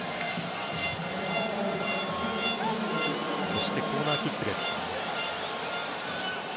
そしてコーナーキック。